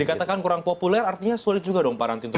dikatakan kurang populer artinya sulit juga dong pak rantinto